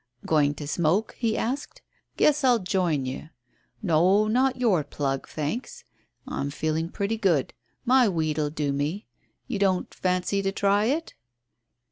"Going to smoke?" he asked. "Guess I'll join you. No, not your plug, thanks. I'm feeling pretty good. My weed'll do me. You don't fancy to try it?"